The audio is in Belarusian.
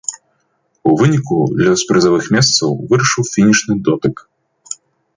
У выніку лёс прызавых месцаў вырашыў фінішны дотык.